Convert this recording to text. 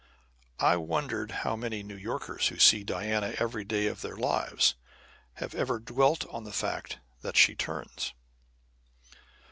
I wondered how many New Yorkers who see the Diana every day of their lives have ever dwelt on the fact that she turns.